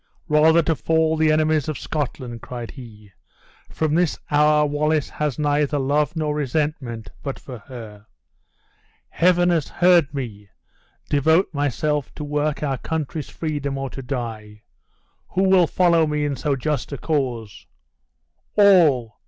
"Rather to fall the enemies of Scotland!" cried he; "from this hour Wallace has neither love nor resentment but for her. Heaven has heard me devote myself to work our country's freedom or to die. Who will follow me in so just a cause?" "All!